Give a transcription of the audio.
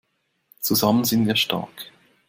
Zusammen sind wir stark!